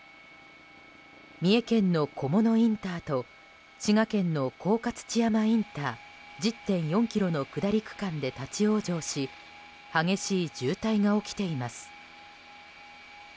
三重県の菰野インターと滋賀県の甲賀土山インター１０．４ｋｍの下り区間で立ち往生し激しい渋滞が起きています。